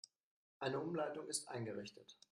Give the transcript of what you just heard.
Eine Umleitung ist eingerichtet.